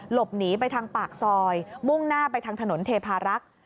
หลบหนีไปทางปากซอยมุ่งหน้าไปทางถนนเทพารักษ์